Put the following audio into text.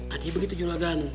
tadinya begitu juragan